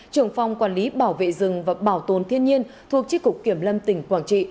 trưởng phòng quản lý bảo vệ rừng và bảo tồn thiên nhiên thuộc tri cục kiểm lâm tỉnh quảng trị